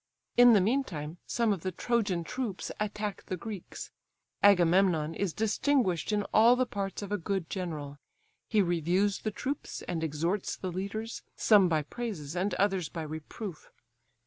In the meantime some of the Trojan troops attack the Greeks. Agamemnon is distinguished in all the parts of a good general; he reviews the troops, and exhorts the leaders, some by praises and others by reproof.